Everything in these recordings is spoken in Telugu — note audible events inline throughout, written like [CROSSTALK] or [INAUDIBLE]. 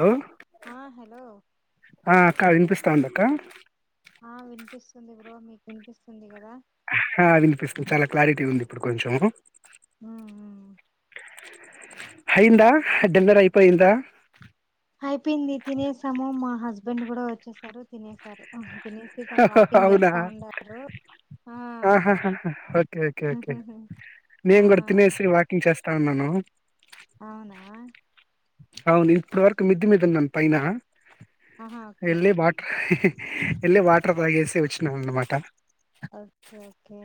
హలో ఆ హలో ఆ అక్క వినిపిస్తా ఉందా అక్క ఆ వినిపిస్తుంది బ్రో మీకు వినిపిస్తుంది కదా ఆ వినిపిస్తుంది చాలా క్లారిటీ ఉంది ఇప్పుడు కొంచెం ఉ ఉ ఉహ్ అయ్యందా హాడిన్నర్ అయిపోయిందా అయిపోయింది తినేసాము మా హస్బెండ్ కూడా వచ్చసారు తినసారు తినేసి తను వాకింగ్ చేస్తా ఉండారు ఆ ఆహా హా హా ఓకే ఓకే ఓకే ఆ నేను కూడా తినేసి వాకింగ్ చేస్తా ఉన్నాను అవునా అవును ఇప్పడు వరకు మిద్దమీద ఉన్నాను పైన ఆహా ఓకే ఎం లే వాటర్ లే వాటర్ తాగేసి వచ్చి నాన్న మాట అ ఓకే ఓకే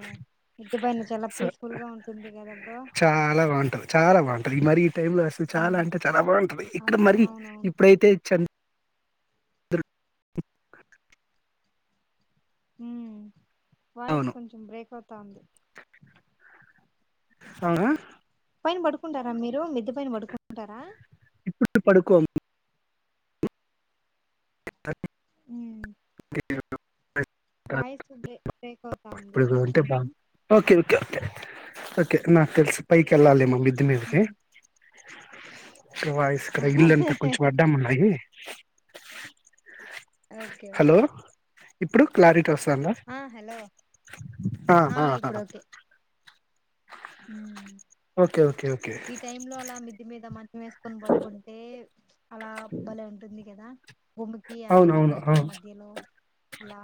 మిద్దపైన చాలా సో పీస్ఫుల్ గా ఉంటుంది కదా బ్రో చాలా బాగుంటది చాలా బాగుంటది మరి ఈ టై లో వస్తుంది చాలా అంటే చాలా బాగుంటది ఇక్కడ మరి అవునవును ఇప్పుడైతే చ క హ వాయిస్ అవును కొంచెం బ్రేక్ అవుతా ఉంది అవునా పైన పడుకుంటారా మీరు మిద్ద పైన పడుకుంటారా ఇప్పుడు పడుకో మ్మ్ వాయిస్ బ్రే బ్రేక్ అవుతా ఉంది ఇప్పుడు ఉంటే కొంచెం బాగు ఓకే ఓకే నాకు తెలిసి పైకి వెళ్లాలేమో మిద్ద మీదికి మి వాయిస్ ఇక్కడ ఇల్లంతా కొంచెం ఓకే అడ్డంగా ఉన్నాయి ఓకే హలో ఓకే ఇప్పుడు క్లారిటీ వస్తాందా ఆ ఆ ఆ ఉ ఓకే ఓకే ఓకే ఈ టైం లో అలా మిది మీద మంచం వేసుకొని పడుకుంటే అలా బలే ఉంటుంది కదా భూమికి అవును అవును ఆకాశానికి అవును మధ్యలో అలా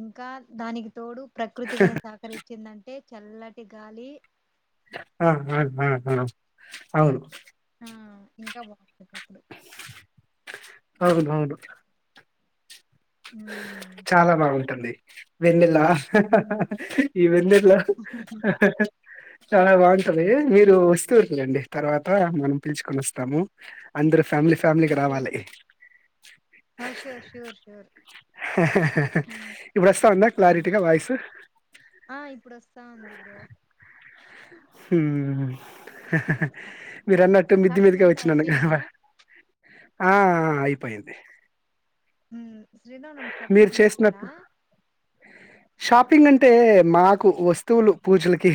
ఇంకా దానికి తోడు ప్రకృతిగాని సహకరిఇచ్చిందంటే చల్లటి గాలి ఆఆ అ అవును ఆ ఇంకా బాగు అవును అవును మ్మ్ చాలా బాగుంటుంది వెన్నల్లా మ్మ్ ఈ వెన్నెల్లో అవును చాలా బాగుంటది మీరు వస్తూ ఉండండి తర్వాత మనం పిలుచుకొని వస్తాము అంద ఫ్యామిలీ ఫ్యామిలీకి ఓకే రావాలి ఓ శ్యూర్ శ్యూర్ ఇప్పుడు వస్తా ఉందా క్లారిటీగా వయిస్ ఆ ఇప్పుడు వస్తా ఉంది బ్రో వస్తా మీరు అన్నట్టు షాపింగ్ మిద్దమీదికే అంతా వచ్చినాను అయిపోయిందా ఆ అ అయిపొయింది శ్రీరామనవమికి మీరు షాపింగ్ చేస్తారా చేసినప్పుడు షాపింగ్ అంటే మాకు వస్తువులు పూజలకి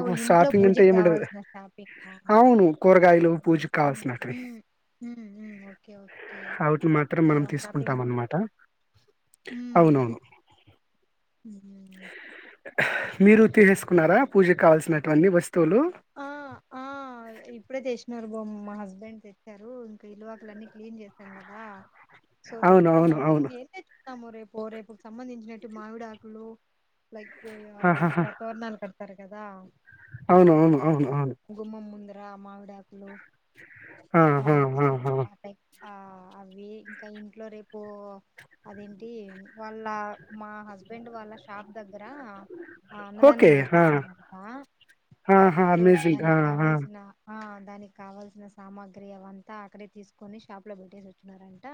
ఓ ఇంట్లో షాపింగ్ అంటే పూజకి ఏముండదు కావాల్సిన షాపింగ్ ఆహ్ అవును కూరగాయలు పూజకు కావాల్సినటివి మ్మ్ ఉమ్మ్ ఓకే ఓకే ఓ షాపింగు ఉంటామన్నమాట ఉమ్ అవునవును మీరు తీసేసుకున్నారా పూజకి కావాల్సినవంటి వస్తు ఆ ఆ ఇప్పుడే చేసినారు మా హస్బెండ్ తెచ్చారు ఇంకా ఇల్లు వాకిలి అన్ని క్లీన్ చేసాం కదా సో అవును అవును తెచ్చుకుందాము అవును ఇగా ఎం ము రేపు రేపుకు సంబంధించినట్టు మామిడాకులు లైక్ ఇంకా తోరణాలు కా తారు కదా అవునువును అవును అవును అ మావిడాకులు ఆ [UNINTELLIGIBLE] టైం ఆ ఇవి ఇంకా ఇంట్లో రేపు అదేంటి వాళ్ళ మా హస్బెండ్ వాళ్ళ షాప్ దగ్గర ఆ అన్నదానం చేపిస్తారంట హా హా సో అన్ ఈజీగా దానికి హా కావాల్సిన ఆ దానికి కావలసిన సామాగ్రి అవంత అక్కడే తీసుకొని షాప్ లో పెట్టేసి వచ్చినారంట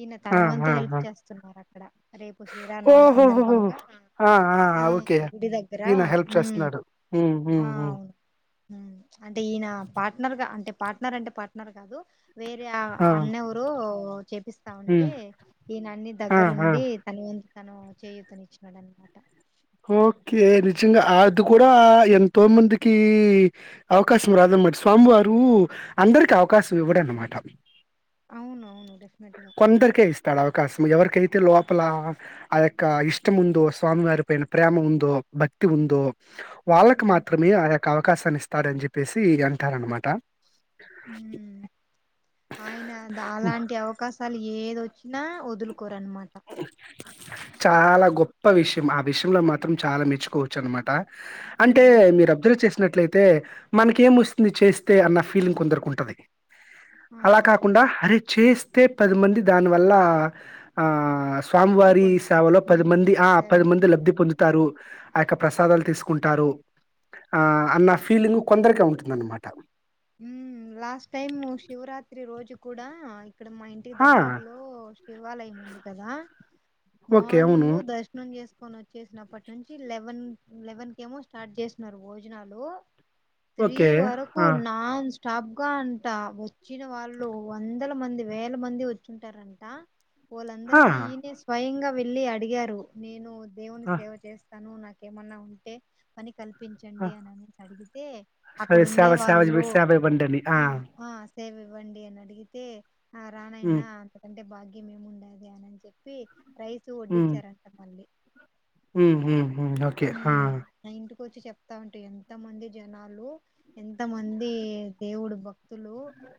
ఈయన తన ఆ వంతు ఆ హెల్ప్ ఆ చేస్తున్నారు అక్కడ రేపు శ్రీరామనవమి ఓహోహోహో సందర్భంగా ఆ ఓకే గుడి దగ్గర ఈయన హెల్ప్ ఉమ్ చేస్తున్నాడు హు హు హు ఊ అంటే ఈయన పార్ట్నర్ గా అంటే పార్ట్నర్ అంటే పార్ట్నర్ కాదు వేరే ఆ అన్న ఎవరో చెప్ ఇస్తా ఉమ్ ఉంటే ఈయన అన్ని ఆ దగ్గర ఆ ఉండి తన విన్ తను చేయూతని ఇచ్చాడన్నమాట ఓకే నిజంగా అది కూడా ఎంతో మందికి అవకాశం రాదు మరి స్వామివారు అందరికీ అవకాశం ఇవ్వడు అన్నమాట అవును అవును డెఫినెట్ గా కొందరికే ఇస్తాడు అవకాశం ఎవరికి అయితే లోపల ఆ యొక్క ఇష్టం ఉందో స్వామి వారి పైన ప్రేమ ఉందో భక్తి ఉందో వాళ్లకి ఉమ్ మాత్రమే ఆ యొక్క అవకాశాన్ని ఇస్తాడని చెప్పేసి అంటారన్నమాట ఊ ఆయన అలాంటి అవకాశాలు ఏదీ వోచ్చినా వొదులు కోరన్నమాట చాలా గొప్ప విషయం ఆ విషయంలో మాత్రం చాలా మెచ్చుకోవచ్చు అన్నమాట అంటే ఉమ్. మీరు అబ్జర్వ్ చేస్ నట్లయితే మనకి ఏం వస్తుంది చేస్తే అన్న ఫీలింగ్ కొందరకి ఉంటది ఆ అలా కాకుండా అరే చేస్తే పది మంది దానివల్ల ఆ ఆ తప్పి స్వామివారి పొందుతారు సేవలో పది ఉమ్ మంది ఆ పది సేవలు మంది లబ్ధి పొందుతారు ఆ యొక్క ప్రసాదాలు తీసుకుంటారు ఆ అన్న ఫీలింగ్ కొందరికే ఉంటుంది అన్నమాట ఉహ్ లాస్ట్ టైం శివరాత్రి రోజు కూడా ఇక్కడ మా ఇంటికి ఆ! దగ్గరలో శివాలయం ఉంది కదా ఓకే. అవును. మార్నింగ్ దర్శనం చేసు కొని వచ్చేసినప్పటి నుంచి ఎల్వెన్ ఎల్వెన్ కేమో స్టార్ట్ చేసినారు భోజనాలు త్రీ ఓకే. వరకు ఆ! ఉన్ నాన్ స్టాప్ గా అంట వచ్చిన వాళ్ళు వందల మంది వేల మంది వచ్చింటారంట ఆ! వోళ్ళందరికీ ఈయనే స్వయంగా వెళ్ళి అడిగారు నేను దేవుని ఆ! సేవ చేస్ తను నాకేమన్నా ఉంటే పని ఆ! కల్పించండి అని అనేసి అడిగితే అక్కడ ఉండే వాళ్ళు దివి సేవ ఇవ్వండి అని ఆ సేవ ఇవ్వండి అని అడిగితే ఆ రా హ్మ్. నాయనా అంతకంటే భాగ్ మేము ఉండేది అని అని చెప్పి రైస్ వడ్డించారట మళ్లీ హుహు హు హ్మ్మ్ ఓకే హ్మ్. నా ఇంటికి వచ్చి చెప్తా ఉంటే ఎంత మంది జనాలు ఎంత మన్ అంది దేవుడు భక్తులు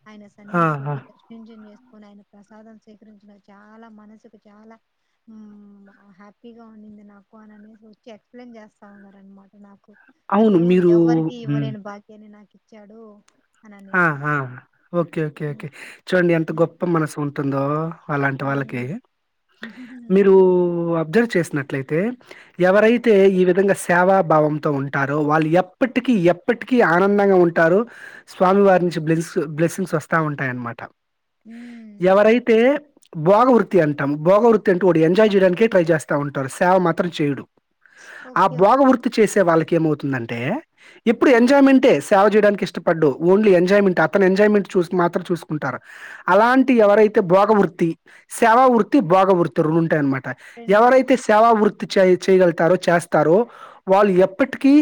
ఆయన ఆ! సన్నిధికి ఆ! వచ్చి దర్శించం పోనీ ఆయన ప్రసాదం సేకరించిన చాలా మనసుకు చాలా ఉహ్మ్ హ్యాపీగా ఉంది ఉంది నాకు అని అనేసి వచ్చి ఎక్స్ప్లెయిన్ చేస్తా ఉన్నారు అన్నమాట నాకు ఆ అవును. దేవుడు మీరు ఎవరికీ హ్మ్. ఇవ్వలేని భాగ్యాన్ని నాకు ఇచ్చాడు అని ఆ అనేసి ఆ ఓకే ఓకే ఓకే చూడండి ఎంత గొప్ప మనసు ఉంటుందో అలాంటి వాళ్ళకి ఉమ్ మీరు హ్మ్ అబ్జర్వ్ చేసినట్లయితే ఎవరైతే ఈ విధంగా సేవా భావంతో ఉంటారో వాళ్లు ఎప్పటికీ ఎప్పటికీ ఆనందంగా ఉంటారు స్వామి వారి నుంచి బ్లెస్సింగ్ బ్లెస్సింగ్స్ వస్తా ఉంటాయి అన్నమాట ఎవరైతే భోగ వృత్తి అంటాం. భోగ వృత్తి అంటే వాడు ఎంజాయ్ చేయడానికే ట్రై చేస్తా ఉంటారు సేవా మాత్రం చేయడు ఆ ఓకే భోగవ ఓకే వృత్తి చేసే వాళ్ళకి ఏమవుతుందంటే ఇప్పుడు ఆ ఎంజాయ్మెంట్ ఏ సేవ చేయడానికి ఇష్టపడడు. ఓన్లీ ఎంజాయ్ మెంట్ అతను ఎంజాయ్మెంట్ చూసి మాత్రం చూసుకుంటారు అలాంటి ఎవరైతే భోగవృత్తి సేవా వృత్తి భోగవృతి రెండు ఉంటాయన్ త రెండు ఎవరైతే ఓకే సేవా వృత్తి చెయ్ చేయగలుగుతారు చేస్తారు వాళ్లు ఎప్పటికీ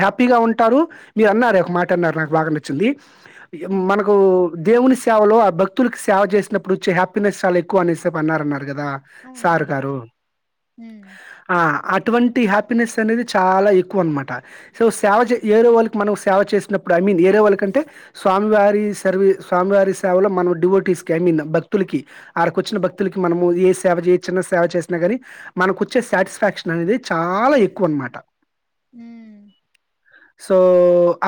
హ్యాపీగా ఉంటారు మీరు అన్నారు ఒక్క మాట టన్ అన్నారు నాకు బాగా నచ్చింది ఆ మనకు దేవుని సేవలో ఆ భక్తులకి సేవ చేసినప్పుడు వచ్చే హ్యాపీనెస్ చాలా ఎక్కువ అనే సేపు అన్నారన్నారు. గదా సారు అవునవును గారు హ్మ్ ఆ అటువంటి హ్యాపీనెస్ అనేది చాలా ఎక్కువ అన్నమాట సో సేవ చే ఏరో వాళ్ళకి మనం సేవ చేస్ ఐ మీన్ ఏరే వాళ్ళకంటే స్వామివారి సర్వే స్వామివారి సేవలో మన డివోటీస్ కి ఐ మీన్ భక్ క్తులకి ఆడ కొచ్చిన భక్తులకి మనము ఏ సేవ జేయచ్చు అన్న సేవ చిన్న చేస్తునగానీ మనకు వచ్చే సాటిస్ఫాక్షన్ అనేది చాలా ఎక్కువ అన్నమాట హ్మ్ సో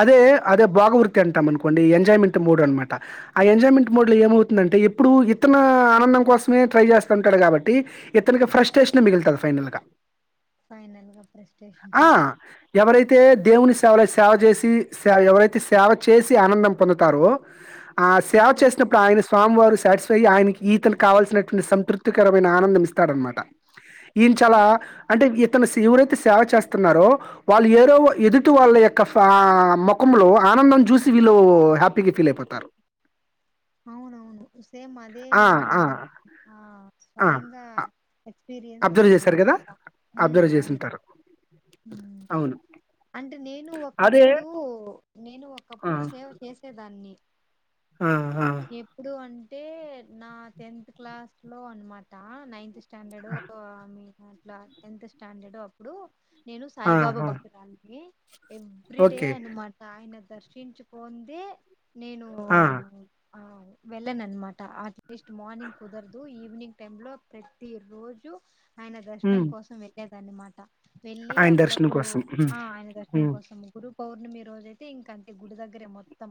అదే అదే బోగవృత్తి అంటాం అనుకోండి ఎంజాయ్మెంట్ మోడ్ అన్నమాట ఆ ఎంజాయ్మెంట్ మోడ్ లో ఏమవుతుందంటే ఎప్పుడు ఇత్తన ఆనందం కోసమే ట్రై చేస్త ఉంటాడు కాబట్టి ఇత్తకి ఫ్రస్టేషనే మిగులుతది ఫైనల్గా ఫైనల్గా ప్రెస్టేషన్ అయితే దేవుని సేవ లో సేవ చేసి ఎవరైతే సేవ చేసి ఆనందం పొందుతారో ఆ సేవ ఓకే. చేసినప్పుడు ఆయన స్వామివారు సాటిస్ఫై ఆయనకి ఈతనికి కావాల్సినటువంటి సంతృప్తికరమైన ఆనందం ఇస్తాడనమాట ఈయన చాల హ్మ్. అంటే ఎ తను ఎవరైతే సేవ చేస్తున్నారో వాళ్ళు ఏరో ఎదుటి వాళ్ళ యొక్క ఆ మొ కుంలో ఆనందం జూసి వీళ్ళు హ్యాపీగా ఫీల్ అయిపోతారు అవునవును సేమ్ అదే ఆ! నేను ఆ! ఆ ఆ! స్వయంగా అ ఎ క్స్పీరియన్స్ అబ్జర్వ్ అయ్య నన్న జేశారు గదా! మాట మ్మ్ అబ్జర్వ్ అవును జేసుంటారు. అవును. అంటే నేను అదే ఒకప్పుడు నేను ఆ! ఒకప్పుడు సేవ చేసేదాన్ని ఆ! ఆ! ఎప్పుడు అంటే నా టెన్త్ క్లాస్ లో అనమాట నైన్త్ స్టాండర్డు మీన్ అట్లా టెన్త్ స్టాండర్డు అప్పుడు నేను ఆ! సాయిబాబా ఆ! భక్తురాలని ఎవ్రీడే ఓకే. అనమాట ఆయన దర్శించుకొందే నేను ఆ! ఆ వెళ్ళనన్నమాట అట్లీస్ట్ మార్నింగ్ కుదరదు ఈవినింగ్ టైమ్ లో ప్రతి రోజు ఆయన దర్శనం హ్మ్ కోసం వెళ్ళెదాన్నిమాట వెళ్ళి ఆయన దర్శనం అప్పుడప్పుడు కోసం. హ్మ్. ఆ ఆయన దర్శనం హ్మ్. కోసం ముగ్గురు పౌర్ణమి రోజైతే ఇంక అంతే గుడి దగ్గరే మొత్తం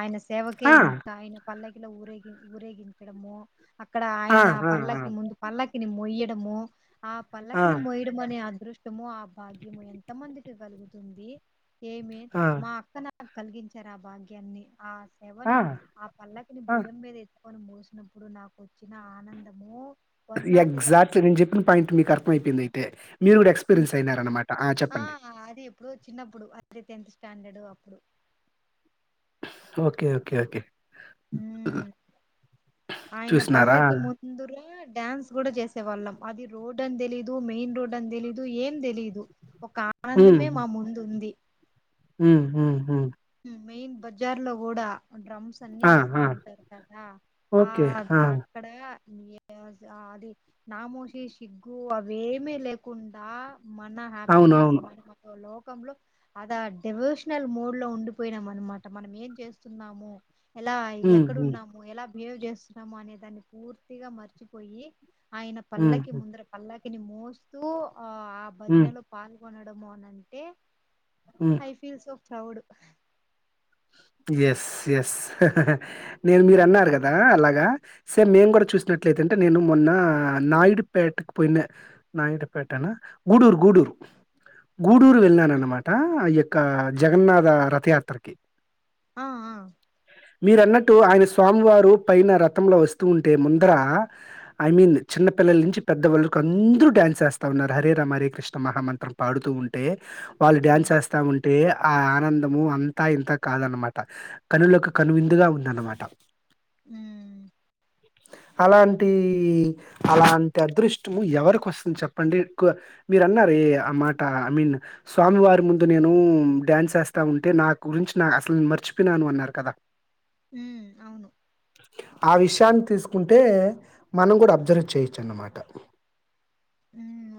ఆయన సేవకే ఆ! ఇంకా ఆయన పల్లకిలో ఊరేగి ఊరేగించడము అక్కడ ఆ! ఆయన ఆ! పల్లకి ముందు పల్లకి మొయ్యడము ఆ ఆ! ఆ! పల్లకిని మొయ్యడం అనే అదృష్ ష్టము ఆ భాగ్యము ఎంత మందికి కలుగుతుంది ఏమె ఆ! మా అక్క న నకు కలిగించారు ఆ భాగ్యాన్ని ఆ సేవని ఆ పల్లకిని ఆ! భుజం మీద కొని మోసినప్పుడు నాకు వచ్చిన ఆనందము వర్ణాతీతం ఎగ్జాక్ట్లీ నేను చెప్పిన పాయింట్ మీకు అర్థం అయిపోయింది అయితే ఆ అది ఎప్పుడు చిన్నప్పుడు అదే టెన్త్ స్టాండర్డు అప్పు ప్పుడు ఓకే ఓకే ఓకే మ్మ్ ఆయన చూసినారా? పల్లకి ముందురా డ్యాన్స్ కూడా జేసే వాళ్ళం అది రోడ్ అని తెలీదు మెయిన్ రోడ్ అని తెలీదు ఏం తెలీదు ఒక ఆనందమే మా ముందు ఉంది హు హు హూ మెయిన్ బజ్జార్ లో గూడా డ్రమ్స్ అన్ని ఆ! వస్తా ఆ! ఉంటారు కదా ఆ ఓకే. ఆ! అక్కడ అది నాముషి సిగ్గు అవేమీ లేకుండా మన హ్యాపీనెస్ అవునవును. మన మరో లోకంలో అద డివోషనల్ మోడ్ లో ఉండి పోయినాం అనమాట మనం ఏం చేస్తున్నాము ఎలా హ్మ్. హ్మ్. ఎక్కడున్నాము ఎలా బిహేవ్ చేస్తున్నాము అనే దాన్ని పూర్తిగా మర్చిపోయి ఆయన హ్మ్. పల్లకి హ్మ్. ముందర పల్లకి ఇని మోస్తూ ఆ ఆ హ్మ్. భజనలో పాల్గొనడము అనంటే హ్మ్. I feel so proud yes yes నేను మీరు అన్నారు కదా అలాగా సర్ మేము కూడా చూసినట్లయితే అంటే నేను మొన్న నాయుడుపేటకు పోయిన నాయుడుపేట అన గూడూరు గూడూరు గూడూరు వెళ్ళన అనమాట ఈ యొక్క జగన్నాథ రథయాత్రకి ఆ ఆ మీరన్నట్టు ఆయన స్వామివారు పైన రథంలో వస్తూ ఉంటే ముందర ఐ మీన్ చ చిన్న పిల్లల నుంచి పెద్దవాళ్ళకి అందరూ డన్స్ చేస్తా ఉన్నారు హరే రామ హరే కృష్ణ మహామంత్రం పాడుతూ ఉంటే వాళ్ళు హ్మ్. డ్యాన్స్ చేస్తా ఉంటే ఆ ఆనందము అంతా ఇంత కాదనమాట కనులకు కనువిందుగా ఉందన్నమాట హ్మ్ అలాంటి అలాంటి అదృష్టము ఎవరిక వస్తుంది చెప్పండి మీరు అన్నారు ఆ మాట ఐ మీన్ స్వామి వారి ముందు నేను డ్యాన్స్ చేస్తా ఉంటే నా గురించి నా అసలు మర్చిపోయినా అన్నారు కదా హ్మ్ అవును ఆ విషయాన్ని తీసుకుంటే మనం కూడా అబ్జర్వ్ చేయొచ్చు అన్నమాట హ్మ్